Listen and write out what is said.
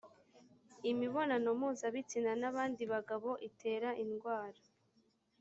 imibonano mpuzabitsina n ‘abandi bagabo itera indwara.